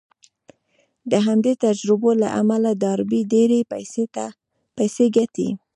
د همدې تجربو له امله ډاربي ډېرې پيسې ګټي.